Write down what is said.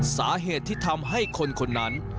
สาเหตุที่ทำให้คนคนนั้น